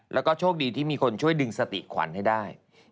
แล้วก็โชคดีที่มีคนช่วยดึงสติขวัญให้ได้